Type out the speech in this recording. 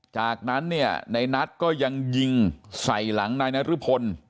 จากนั้นเนี่ยในนัทก็ยังยิงใส่หลังนายนรพล